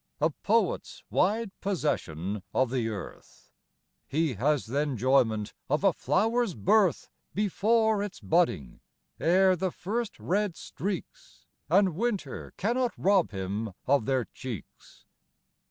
A poet's wide possession of the earth. He has th' enjoyment of a flower's birth Before its budding ere the first red streaks, And Winter cannot rob him of their cheeks.